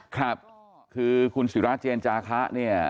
ครับคือคุณศิราเจนจาคะเนี่ย